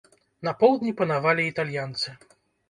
На поўдні панавалі італьянцы.